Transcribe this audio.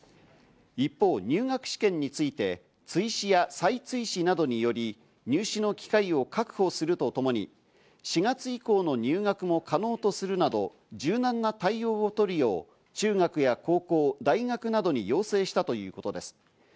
一方、入学試験について、追試や再追試などにより入試の機会を確保するとともに、４月以降の入学も可能とするなど、柔軟な対応をとるよう中学や高校、大学などに要請したということです。